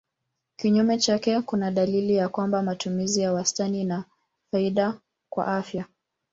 Kinyume chake kuna dalili ya kwamba matumizi ya wastani ina faida kwa afya.